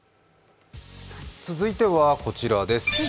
続いては、こちらです。